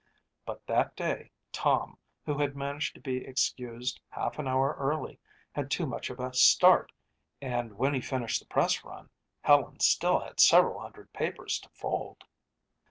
But that day Tom, who had managed to be excused half an hour early, had too much of a start and when he finished the press run Helen still had several hundred papers to fold.